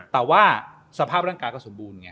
แต่ว่าสภาพร่างกายก็สมบูรณไง